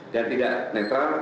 dan tidak netral